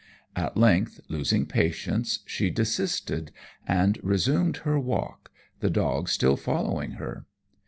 At length, losing patience, she desisted, and resumed her walk, the dog still following her.